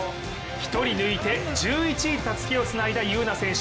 １人抜いて１１位でたすきをつないだ優苗選手。